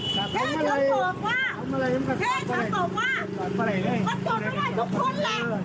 เขาเช่าแล้วเขาสุยันละบร้อยแล้ว